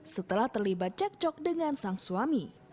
setelah terlibat cekcok dengan sang suami